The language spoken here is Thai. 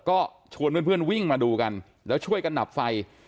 ก็ชวนเพื่อนวิ่งมาดูกันแล้วช่วยกันดับไฟ